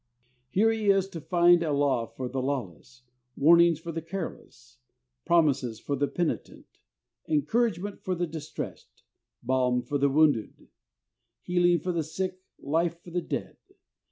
Here he is to find a law for the lawless, warnings for the careless, prom ises for the penitent, encouragement for the distressed, balm for the wounded, healing for the sick, life for the dead.